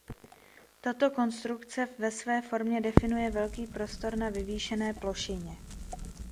Tato konstrukce v své formě definuje velký prostor na vyvýšené plošině.